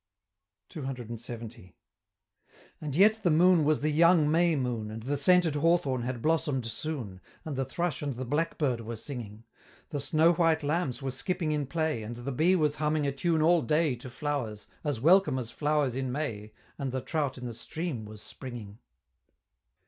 CCLXX. And yet the moon was the "Young May Moon," And the scented hawthorn had blossom'd soon, And the thrush and the blackbird were singing The snow white lambs were skipping in play, And the bee was humming a tune all day To flowers, as welcome as flowers in May, And the trout in the stream was springing!